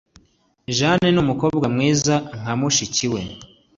Jane ni umukobwa mwiza nka mushiki we.